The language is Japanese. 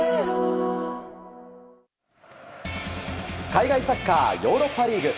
海外サッカーヨーロッパリーグ。